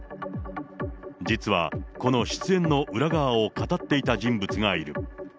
実はこの出演の裏側を語っていた人物がいる。